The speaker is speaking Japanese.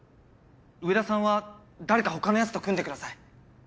上田さんは誰か他のヤツと組んでください。